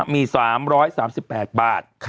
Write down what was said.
มี๓๓๘บาท